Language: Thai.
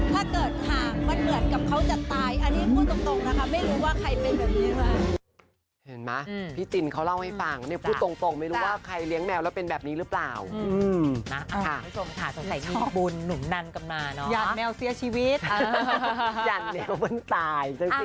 ถ้าเกิดห่างมันเหมือนกับเขาจะตายอันนี้พูดตรงนะคะไม่รู้ว่าใครเป็นแบบนี้ค่ะ